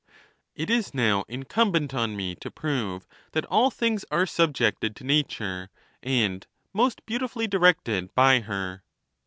It is now incumbent on me to prove that all things are subjected to nature, and most beautifully di rected by her.